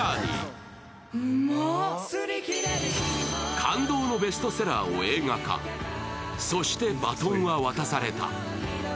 感動のベストセラーを映画化、「そして、バトンは渡された」。